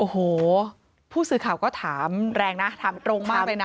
โอ้โหผู้สื่อข่าวก็ถามแรงนะถามตรงมากเลยนะ